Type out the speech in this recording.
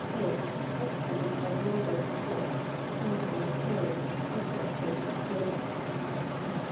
A. Epsom or Glauber's salt; plaster of Paris; or phosphate of soda.